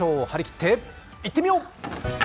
張り切っていってみよう！